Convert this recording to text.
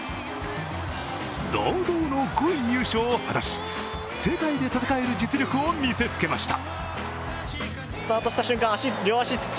堂々の５位入賞を果たし、世界で戦える実力を見せつけました。